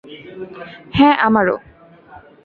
হ্যাঁ, আমারও।